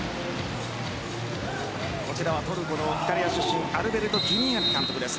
こちらはトルコのイタリア出身アルベルト・ジュリアーニ監督です。